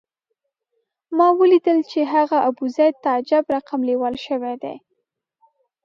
ما ولیدل چې هغه ابوزید ته عجب رقم لېوال شوی دی.